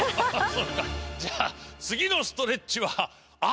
じゃあ次のストレッチは足首だ。